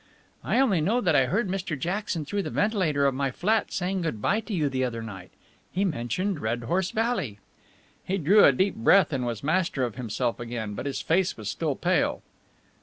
"I only know that I heard Mr. Jackson through the ventilator of my flat, saying good bye to you the other night. He mentioned Red Horse Valley " He drew a deep breath and was master of himself again, but his face was still pale.